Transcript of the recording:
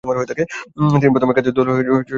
তিনি প্রথম একাদশ দলের অধিনায়কের দায়িত্বে ছিলেন।